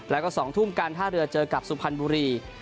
แล้วก็๒ทุ่มการท่าเรือเจอกับสุพรรณบุรี